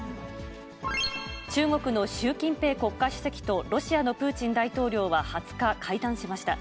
中国の習近平国家主席と、ロシアのプーチン大統領は２０日、会談しました。